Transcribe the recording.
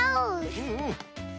うんうん。